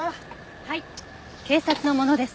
はい警察の者です。